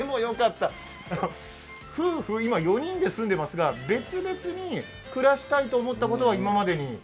夫婦４人で今、住んでますが別々に暮らしたいと思ったことは？